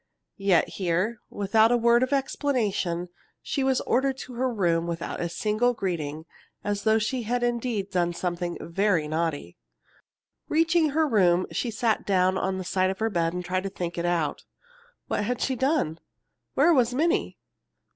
Yet here, without a word of explanation, she was ordered to her room without a single greeting, as though she had indeed done something very naughty. Reaching her room, she sat down on the side of her bed and tried to think it out. What had she done? Where was Minnie?